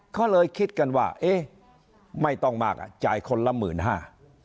เขาเลยคิดกันว่าเอ๊ะไม่ต้องมากอ่ะจ่ายคนละหมื่นห้า